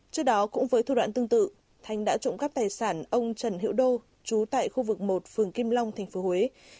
trước đó cũng với thủ đoạn tương tự thanh đã trộm các tài sản ông trần hiệu đô trú tại khu vực một phường kim long tp huế